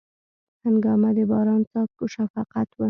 هنګامه د باران څاڅکو شفقت و